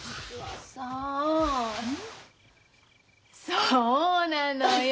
そうなのよ。